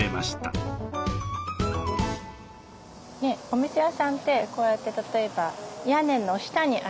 お店屋さんってこうやって例えば屋根の下にあるもの